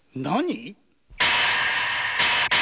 何！？